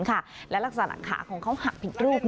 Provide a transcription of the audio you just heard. หลักษณะขาของเขาหักผิดรูป